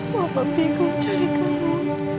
mama bingung cari kamu